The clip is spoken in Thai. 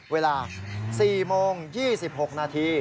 เวลา๔โมง๒๖นาที